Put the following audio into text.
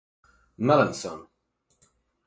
Mallinson.